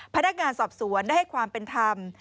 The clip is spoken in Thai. พนักงานสอบสวนได้ให้ความเป็นธรรม